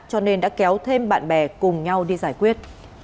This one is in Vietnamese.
cho nên đã kéo thêm bạn bè cùng nhau đi giải quyết